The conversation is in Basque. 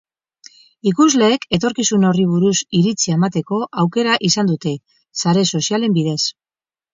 Ikusleek etorkizun horri buruz iritzia emateko aukera izan dute, sare sozialen bidez.